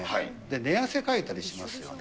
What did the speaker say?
寝汗かいたりしますよね。